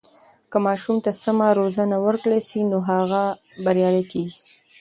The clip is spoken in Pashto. که ماشوم ته سمه روزنه ورکړل سي، نو هغه بریالی کیږي.